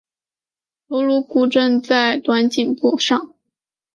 头颅骨位在短颈部上。